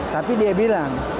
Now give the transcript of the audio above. tapi dia bilang